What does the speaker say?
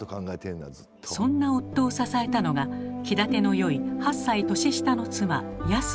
そんな夫を支えたのが気立てのよい８歳年下の妻やすでした。